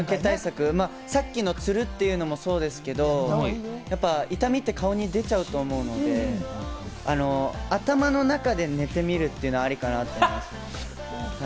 さっきのつるというのもそうですけど、痛みって顔に出ちゃうと思うので頭の中で寝てみるっていうのはありかなと。